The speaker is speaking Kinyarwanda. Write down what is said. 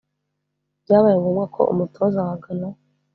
Byabaye ngombwa ko umutoza wa Ghana